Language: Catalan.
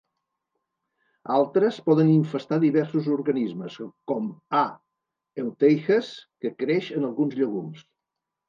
Altres poden infestar diversos organismes, com "A. euteiches", que creix en alguns llegums.